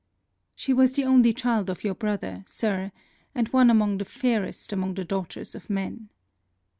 She was the only child of your brother, Sir, and one among the fairest among the daughters of men.